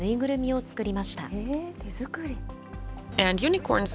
手作り。